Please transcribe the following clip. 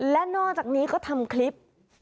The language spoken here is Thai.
และนอกจากนี้ก็ทำคลิป